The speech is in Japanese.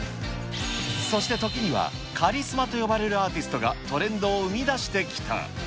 そしてときにはカリスマと呼ばれるアーティストがトレンドを生み出してきた。